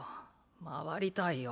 回りたいよ。